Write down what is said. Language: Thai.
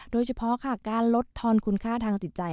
โดยเฉพาะค่ะการลดทอนคุณค่าทางจิตใจ